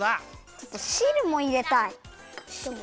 ちょっとしるもいれたい！